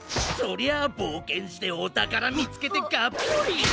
そりゃあぼうけんしておたからみつけてがっぽり。